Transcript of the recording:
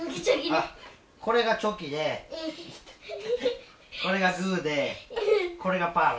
これがチョキでこれがグーでこれがパーな。